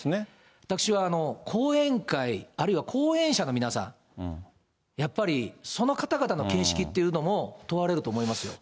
私は後援会、あるいは後援者の皆さん、やっぱりその方々の見識というのも問われると思いますよ。